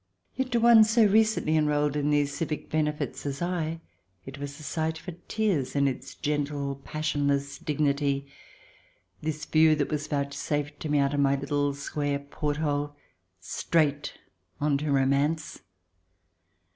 Yet to one so recently enrolled in these civic benefits as I, it was a sight for tears, in its gentle, passionless dignity, this view that was vouchsafed me out of my little square port hole straight on to romance.